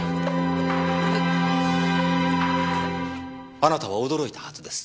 あなたは驚いたはずです。